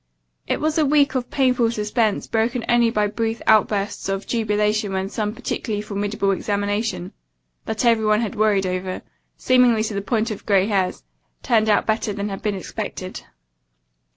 It was a week of painful suspense, broken only by brief outbursts of jubilation when some particularly formidable examination, that everyone had worried over, seemingly to the point of gray hairs, turned out better than had been expected.